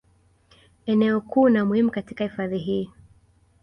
Eneo kuu na muhimu katika hifadhi hii